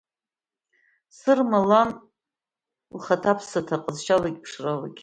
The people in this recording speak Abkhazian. Сырма лан лхаҭаԥсаҭа, ҟазшьалагьы ԥшралагьы.